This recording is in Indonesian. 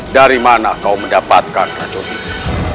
dari mana kau mendapatkan racun ini